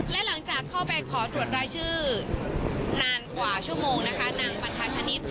และหลังจากเข้าไปขอตรวจรายชื่อนานกว่าชั่วโมงนะคะนางปันทาชนิด